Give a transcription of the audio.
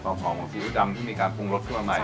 ความหอมของซิหู้ดำที่มีการฟุงรสขึ้นมาใหม่